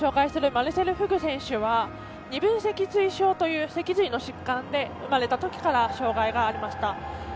きょうご紹介するマルセル・フグ選手は二分脊椎症という脊髄の疾患で生まれたときから障がいがありました。